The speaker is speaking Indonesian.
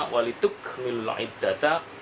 walituk mil la'iddata